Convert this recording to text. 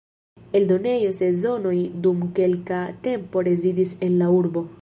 Eldonejo Sezonoj dum kelka tempo rezidis en la urbo.